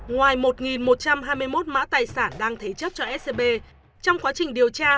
ngoài một một trăm hai mươi một mã tài sản đang thế chấp cho scb trong quá trình điều tra